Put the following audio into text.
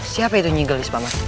siapa itu nyigelis paman